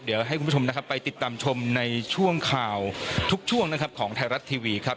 เดี๋ยวให้คุณผู้ชมนะครับไปติดตามชมในช่วงข่าวทุกช่วงนะครับของไทยรัฐทีวีครับ